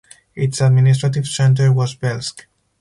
Its administrative centre was Velsk.